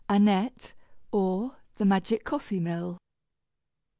ANNETTE; OR, THE MAGIC COFFEE MILL.